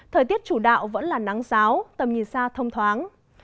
thời tiết chủ đạo vẫn là nắng giáo tầm nhìn xa thông thoáng